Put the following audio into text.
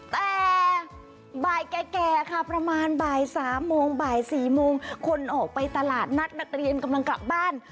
แต่บ่ายแก่ค่ะประมาณบ่าย๓โมงบ่าย๔โมงคนออกไปตลาดนัดนักเรียนกำลังกลับบ้าน